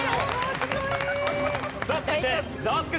さあ続いてザワつく！